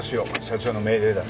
社長の命令だ。